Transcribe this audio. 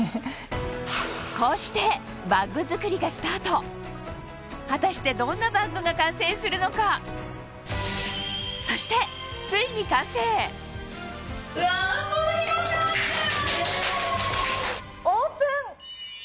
こうしてバッグ作りがスタート果たしてどんなバッグが完成するのかそしてついに完成オープン！